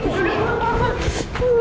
udah udah gue mau